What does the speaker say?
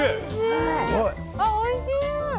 おいしい！